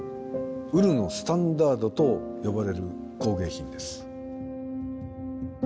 「ウルのスタンダード」と呼ばれる工芸品です。